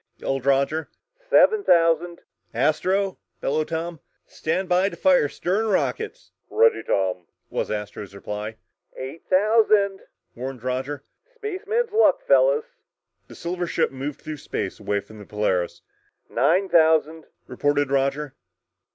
yelled Roger. "Seven thousand!" "Astro," bellowed Tom, "stand by to fire stern rockets!" "Ready, Tom," was Astro's reply. "Eight thousand," warned Roger. "Spaceman's luck, fellas!" The silver ship moved through space away from the Polaris. "Nine thousand," reported Roger.